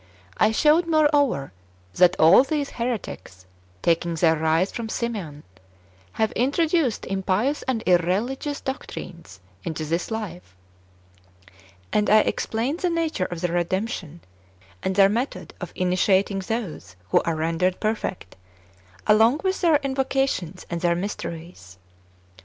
I showed, moreover, that all these heretics, taking their rise from Simon, have introduced impious and irreligious doctrines into this life; and I ex plained the nature of their " redemption," and their method of initiating those who are rendered " perfect," along with their invocations and their mysteries.